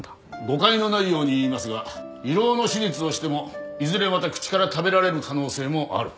誤解のないように言いますが胃ろうの手術をしてもいずれまた口から食べられる可能性もある。